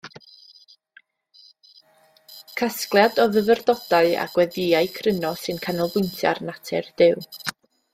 Casgliad o fyfyrdodau a gweddïau cryno sy'n canolbwyntio ar natur Duw.